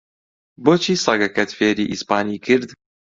بۆچی سەگەکەت فێری ئیسپانی کرد؟